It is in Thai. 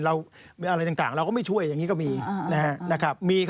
อะไรต่างเราก็ไม่ช่วยอย่างนี้ก็มีนะครับ